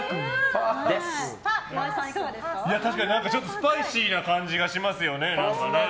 ちょっとスパイシーな感じがしますよね。